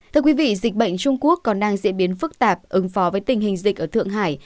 thưa quý vị dịch bệnh trung quốc còn đang diễn biến phức tạp ứng phó với tình hình dịch ở thượng hải